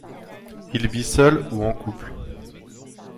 Il vit seul ou en couple.